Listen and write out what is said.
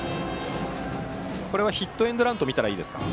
これはヒットエンドランと見たらいいですか。